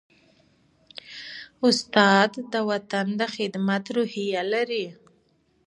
استاد د وطن د خدمت روحیه لري.